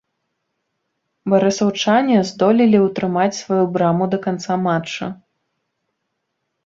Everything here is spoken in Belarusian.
Барысаўчане здолелі ўтрымаць сваю браму да канца матча.